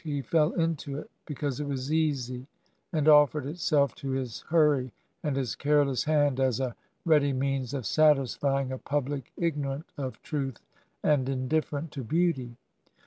He fell into it, because it was easy, and offered itself to his hurry and his careless hand, as a ready means of satisfying a public ignorant of truth and indifferent to beauty.